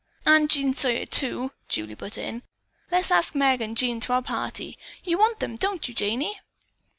"And Jean Sawyer, too!" Julie put in. "Let's ask Meg and Jean to our party. You want them, don't you, Janey?"